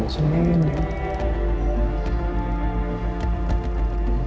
tapi saya akan nerah ren